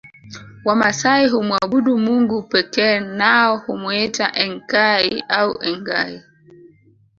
Wamasai humwabudu Mungu pekee nao humwita Enkai au Engai